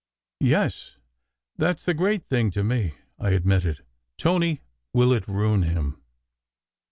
" Yes, that s the great thing to me," I admitted. " Tony, will it ruin him?